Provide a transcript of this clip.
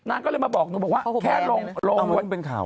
ใช่น้านก็เลยมาบอกหนูบอกว่าแค่ลงวันนี้